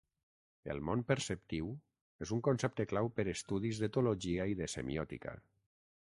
El món perceptiu és un concepte clau per estudis d'etologia i de semiòtica.